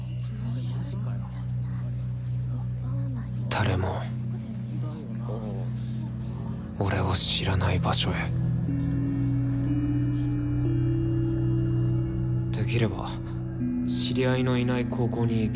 誰も俺を知らない場所へできれば知り合いのいない高校に行きたいんです。